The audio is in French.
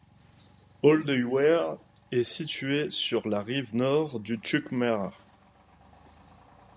Oldeouwer est situé sur la rive nord du Tsjûkemar.